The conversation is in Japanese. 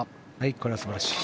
これは素晴らしい。